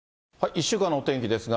１週間のお天気ですが。